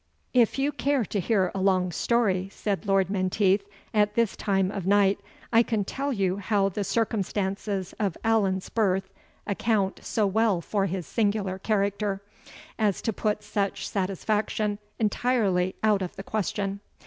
"If you care to hear a long story," said Lord Menteith, "at this time of night, I can tell you how the circumstances of Allan's birth account so well for his singular character, as to put such satisfaction entirely out of the question."